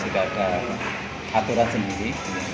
itu adalah aturan sendiri